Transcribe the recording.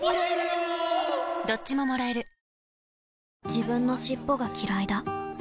自分の尻尾がきらいだ